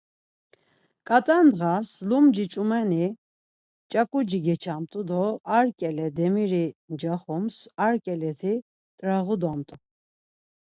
Ǩart̆a ndğas, lumci ç̌umani ç̌aǩuci geçamt̆u do ar ǩele demiri ncaxums ar ǩeleti t̆rağodumt̆u.